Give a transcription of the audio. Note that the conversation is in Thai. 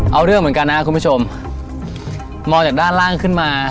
เอาเรื่องเหมือนกันนะครับคุณผู้ชมมองจากด้านล่างขึ้นมา